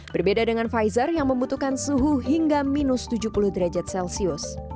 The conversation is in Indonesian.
berbeda dengan pfizer yang membutuhkan suhu hingga minus tujuh puluh derajat celcius